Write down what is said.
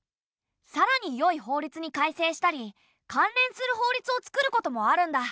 さらによい法律に改正したり関連する法律を作ることもあるんだ。